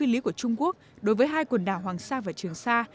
tuyên bố phi lý của trung quốc đối với hai quần đảo hoàng sa và trường sa